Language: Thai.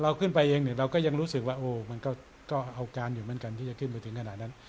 ขึ้นไปเองเนี่ยเราก็ยังรู้สึกว่าโอ้มันก็เอาการอยู่เหมือนกันที่จะขึ้นไปถึงขนาดนั้น